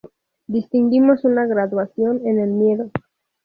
Distinguimos una graduación en el miedo.